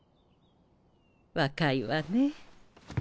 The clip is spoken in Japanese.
若いわね。